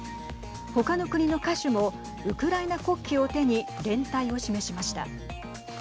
ほかの国の歌手もウクライナ国旗を手に連帯を示しました。